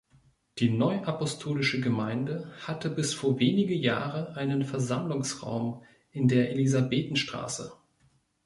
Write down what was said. Die Neuapostolische Gemeinde hatte bis vor wenige Jahre einen Versammlungsraum in der Elisabethenstraße.